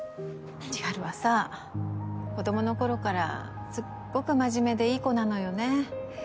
千晴はさ子供の頃からすっごく真面目でいい子なのよね。